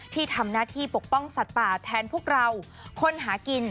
ที่ทำหน้าที่ปกป้องสัตว์ป่าแทนพวกเราคนหากิน